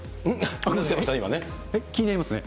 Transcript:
気になりますね。